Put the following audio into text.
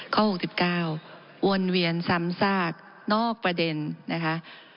ข้อ๖๙วนเวียนซ้ำซากนอกประเด็นนะคะ